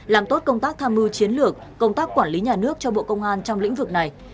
làm tốt công tác tham mưu chiến lược công tác quản lý nhà nước cho bộ công an trong lĩnh vực này